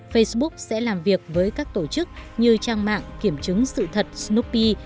facebook sẽ làm việc với các tổ chức như trang mạng kiểm chứng sự thật snopee